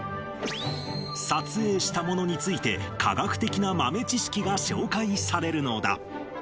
撮影したものについて、科学的な豆知識が紹介されるのだ。